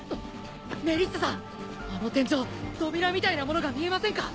メリッサさんあの天井扉みたいなものが見えませんか？